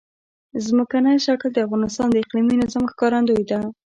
ځمکنی شکل د افغانستان د اقلیمي نظام ښکارندوی ده.